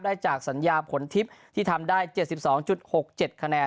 ได้จากสัญญาผลทิพย์ที่ทำได้๗๒๖๗คะแนน